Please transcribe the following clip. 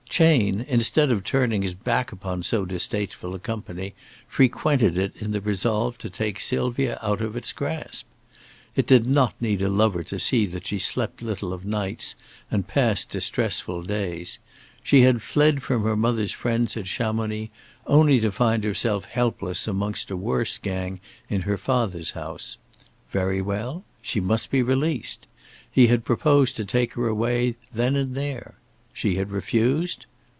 Chayne, instead of turning his back upon so distasteful a company, frequented it in the resolve to take Sylvia out of its grasp. It did not need a lover to see that she slept little of nights and passed distressful days. She had fled from her mother's friends at Chamonix, only to find herself helpless amongst a worse gang in her father's house. Very well. She must be released. He had proposed to take her away then and there. She had refused.